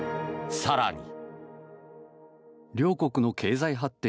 更に。